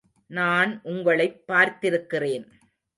நான் உங்களைப் பார்த்திருக்கிறேன்.